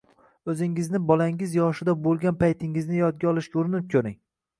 o‘zingizni bolangiz yoshida bo‘lgan paytingizni yodga olishga urinib ko‘ring.